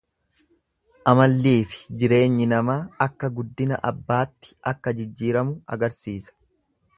Amalliifi jireenyi namaa akka guddina abbaatti akka jijiiramu agarsiisa.